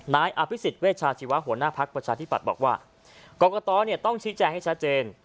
นายอภิษฎเวชาชีวะหัวหน้าภักดิ์ประชาธิปัตย์บอกว่ากรกตต้องชี้แจงให้ชัดเจน